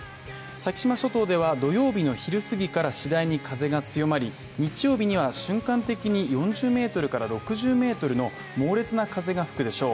先島諸島では土曜日の昼すぎから次第に風が強まり日曜日には瞬間的に４０メートルから６０メートルの猛烈な風が吹くでしょう。